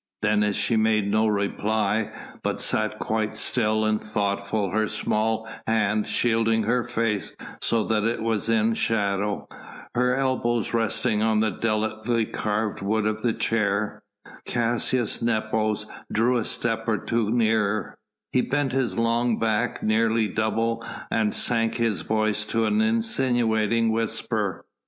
Then as she made no reply but sat quite still and thoughtful, her small hand shielding her face so that it was in shadow, her elbow resting on the delicately carved wood of the chair, Caius Nepos drew a step or two nearer: he bent his long back nearly double and sank his voice to an insinuating whisper.